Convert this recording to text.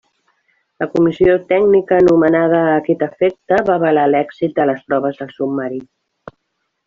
La Comissió Tècnica nomenada a aquest efecte va avalar l'èxit de les proves del submarí.